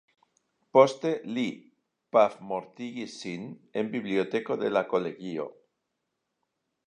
Poste li pafmortigis sin en biblioteko de la kolegio.